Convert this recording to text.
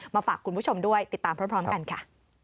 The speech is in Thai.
ฝากคุณผู้ชมด้วยติดตามพร้อมกันค่ะ